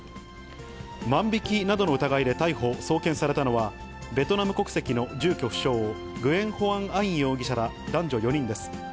万引きなどの疑いで逮捕・送検されたのは、ベトナム国籍の住居不詳、グエン・ホアン・アイン容疑者ら男女４人です。